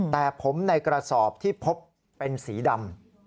แต่ผมในกระสอบที่พบเป็นสีดำ